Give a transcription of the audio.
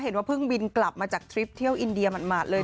ว่าเพิ่งบินกลับมาจากทริปเที่ยวอินเดียหมาดเลย